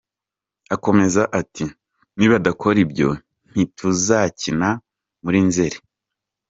Akomeza ati “Nibadakora ibyo, ntituzakina muri Nzeli.